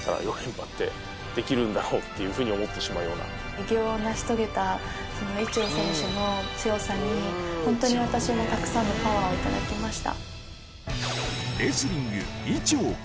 偉業を成し遂げた伊調選手の強さに私もたくさんのパワーを頂きました。